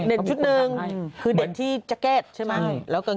เด็นชุดหนึ่งคือเด่นที่แจ๊กแก๊ดใช่ไหม